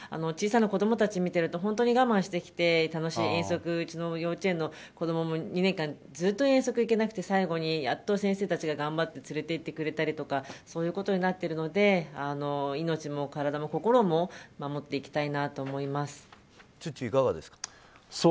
小さな子供たちを見ていると本当に我慢してきて楽しい遠足、うちの幼稚園の子供２年間ずっと遠足に行けなくて最後にやっと先生たちが頑張って連れて行ってくれたりとかそういうことになっているので命も体も心もツッチー、いかがですか。